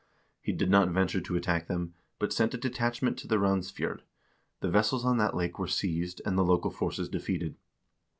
He did not venture to attack them, but sent a detachment to the Randsfjord; the vessels on that lake were seized, and the local forces defeated.